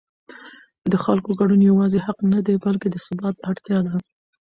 د خلکو ګډون یوازې حق نه دی بلکې د ثبات اړتیا ده